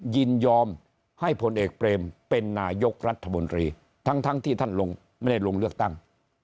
ยินยอมให้ผลเอกเปรมเป็นนายกรัฐมนตรีทั้งที่ท่านลงไม่ได้ลงเลือกตั้ง